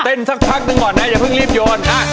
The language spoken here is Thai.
สักพักหนึ่งก่อนนะอย่าเพิ่งรีบโยน